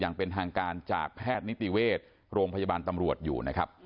อย่างเป็นทางการจากแพทย์นิติเวชโรงพยาบาลตำรวจอยู่นะครับ